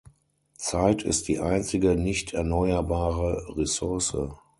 Zeit ist die einzige nicht erneuerbare Ressource.